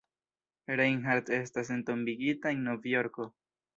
Reinhardt estas entombigita en Novjorko.